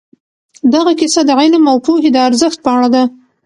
دغه کیسه د علم او پوهې د ارزښت په اړه ده.